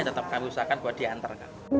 tetap kami usahakan buat diantarkan